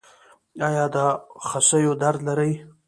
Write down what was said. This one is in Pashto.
ایا د خصیو درد لرئ؟